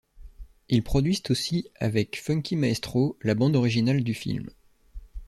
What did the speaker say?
Ils produisent aussi, avec Funky Maestro, la bande originale du film '.